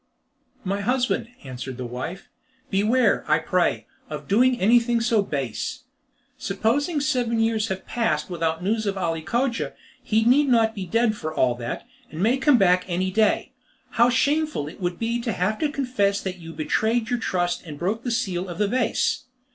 "My husband," answered the wife, "beware, I pray, of your doing anything so base! Supposing seven years have passed without news of Ali Cogia, he need not be dead for all that, and may come back any day. How shameful it would be to have to confess that you had betrayed your trust and broken the seal of the vase!